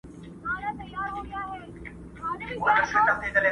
قاسم یار له زر پرستو بېل په دې سو.